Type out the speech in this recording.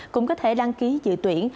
cũng có thể đăng ký dự tuyển